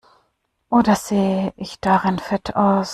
Oder sehe ich darin fett aus?